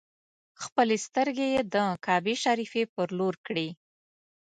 خپلې سترګې یې د کعبې شریفې پر لور کړې.